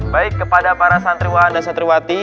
baik kepada para santriwan dan santriwati